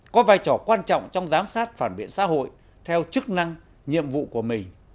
có vai trò quan trọng trong giám sát phản biện xã hội theo chức năng nhiệm vụ của mình